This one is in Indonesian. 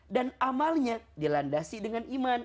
dan amalnya dilandasi dengan iman